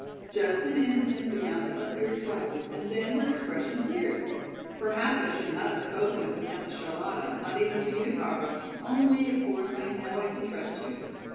Just an instant Bianca appeared troubled and then her expression cleared. "Perhaps I should not have spoken of the Countess Charlotta, not even to you, Carlo, only of course I know I can trust you.